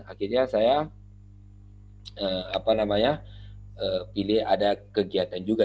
akhirnya saya pilih ada kegiatan juga